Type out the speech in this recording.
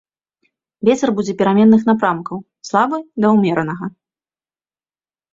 Вецер будзе пераменных напрамкаў, слабы да ўмеранага.